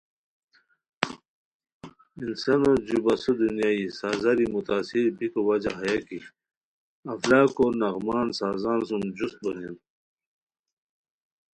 انسانو جو بسو دنیا سازاری متاثر بیکو وجہ ہیہ کی افلاکو نغمات سازان سُم جوست بونیان